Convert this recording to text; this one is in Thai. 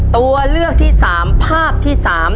ตัวเลือกที่สามภาพที่สาม